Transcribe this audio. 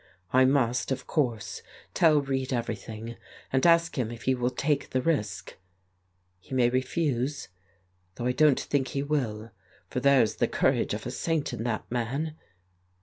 ... I must, of course, tell Reid everything, and ask him if he will take the risk. ... He may refuse, though I don't think he will, for there's the courage of a saint in that man.